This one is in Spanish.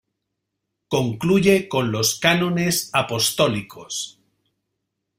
Concluye con los "Cánones apostólicos".